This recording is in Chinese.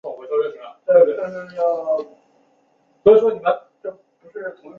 叶城县是中国新疆维吾尔自治区喀什地区所辖的一个县。